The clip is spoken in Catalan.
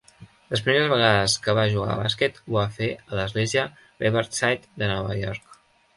Les primeres vegades que va jugar bàsquet ho va fer a l'església Riverside de Nova York.